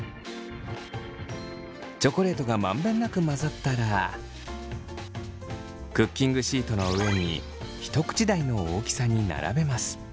チョコレートが満遍なく混ざったらクッキングシートの上に一口大の大きさに並べます。